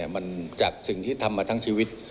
มันจากสิ่งที่ทำมาทั้งชีวิต